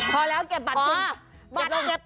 พอแล้วเก็บบัตรคุณ